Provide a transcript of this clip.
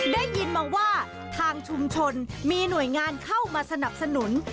ได้ยินมาว่าทางชุมชนมีหน่วยงานเข้ามาสนับสนุน